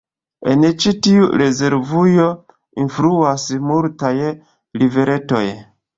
En ĉi tiu rezervujo enfluas multaj riveretoj.